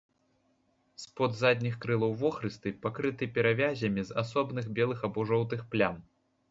Спод задніх крылаў вохрысты, пакрыты перавязямі з асобных белых або жоўтых плям.